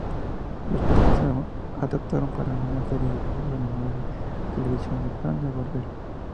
Los personajes se adaptaron para una serie de dibujos animados de televisión de Hanna-Barbera.